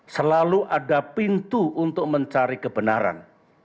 selalu ada pintu untuk mencari kebenaran